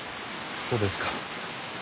そうですか。